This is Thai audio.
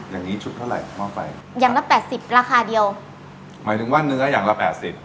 อย่างนี้ชุดเท่าไหร่หม้อไฟอย่างละแปดสิบราคาเดียวหมายถึงว่าเนื้ออย่างละแปดสิบ